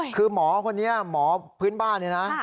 คือหมอคนนี้หมอพื้นบ้านเนี่ยนะ